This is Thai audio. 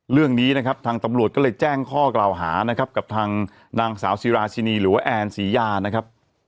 เรื่องนี้นะครับทางตำรวจก็เลยแจ้งข้อกล่าวหานะครับกับทางนางสาวซีราชินีหรือว่าแอนศรียานะครับ